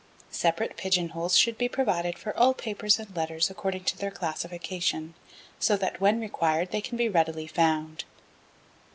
Separate pigeon holes should be provided for all papers and letters according to their classification, so that when required they can be readily found.